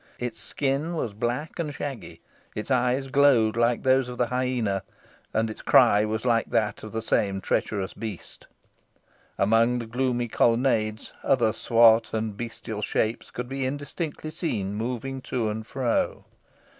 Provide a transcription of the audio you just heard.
Its skin was black and shaggy; its eyes glowed like those of the hyæna; and its cry was like that of the same treacherous beast. Among the gloomy colonnades other swart and bestial shapes could be indistinctly seen moving to and fro.